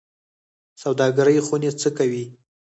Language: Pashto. سوداګرۍ خونې څه کوي؟